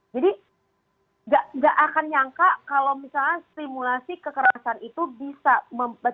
nggak akan nyangka kalau misalnya simulasi kekerasan itu bisa